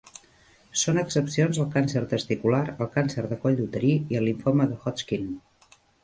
Són excepcions el càncer testicular, el càncer de coll uterí i el limfoma de Hodgkin.